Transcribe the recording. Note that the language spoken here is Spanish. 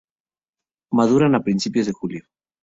Maduran a principios de julio.